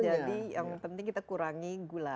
jadi yang penting kita kurangi gula